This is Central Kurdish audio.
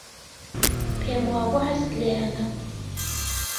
پێم وابوو حەزت لێیانە.